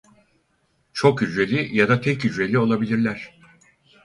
Çok hücreli ya da tek hücreli olabilirler.